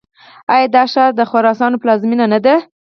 آیا دا ښار د خرسونو پلازمینه نه ده؟